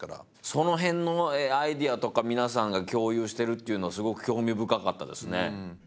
その辺のアイデアとか皆さんが共有してるっていうのはすごく興味深かったですね。